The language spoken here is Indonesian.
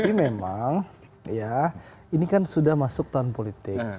tapi memang ya ini kan sudah masuk tahun politik